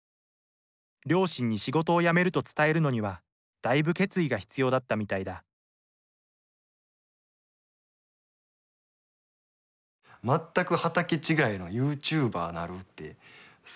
両親に仕事を辞めると伝えるのにはだいぶ決意が必要だったみたいだ全く畑違いのユーチューバーなるってそれはさすがに怒られましたね。